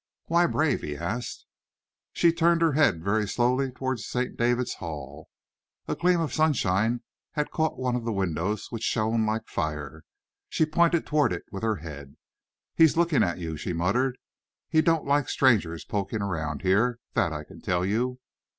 "Why brave?" he asked. She turned her head very slowly towards St. David's Hall. A gleam of sunshine had caught one of the windows, which shone like fire. She pointed toward it with her head. "He's looking at you," she muttered. "He don't like strangers poking around here, that I can tell you."